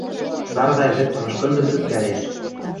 Сардай вӹкӹ мышкындым лӱктӓлеш.